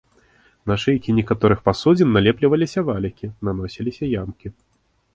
На шыйкі некаторых пасудзін налепліваліся валікі, наносіліся ямкі.